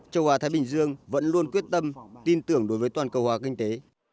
châu á thái bình dương vẫn luôn quyết tâm tin tưởng đối với toàn cầu hóa kinh tế